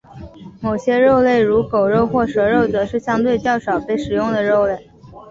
某些肉类如狗肉或蛇肉则是相对较少被食用的肉类。